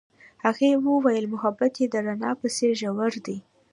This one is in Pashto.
هغې وویل محبت یې د رڼا په څېر ژور دی.